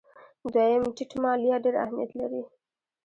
دویم: ټیټ مالیات ډېر اهمیت لري.